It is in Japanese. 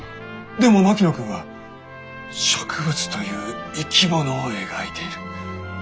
でも槙野君は植物という生き物を描いている。